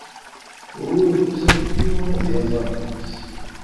Ur ttanef i yiwen ad yaẓ ar tmes.